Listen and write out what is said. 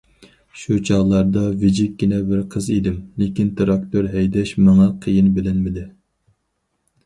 شۇ چاغلاردا ۋىجىككىنە بىر قىز ئىدىم، لېكىن تىراكتور ھەيدەش ماڭا قىيىن بىلىنمىدى.